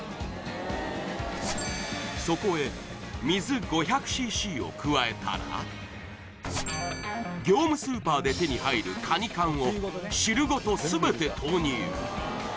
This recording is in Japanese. そこへ水５００ｃｃを加えたら業務スーパーで手に入るカニ缶を汁ごと全て投入